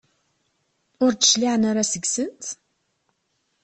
Ur d-cliɛen ara seg-sent?